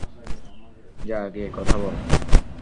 যা, গিয়ে কথা বল।